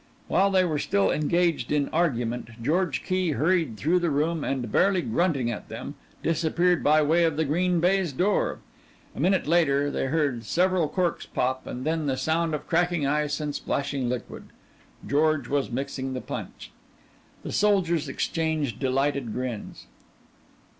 While they were still engaged in argument George Key hurried through the room and, barely grunting at them, disappeared by way of the green baize door. A minute later they heard several corks pop, and then the sound of cracking ice and splashing liquid. George was mixing the punch. The soldiers exchanged delighted grins.